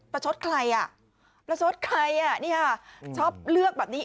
ชดใครอ่ะประชดใครอ่ะนี่ค่ะชอบเลือกแบบนี้